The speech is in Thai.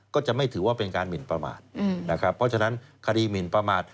ก็จะไม่ถือว่าเป็นการหมินประมาทนะครับเพราะฉะนั้นคดีหมินประมาท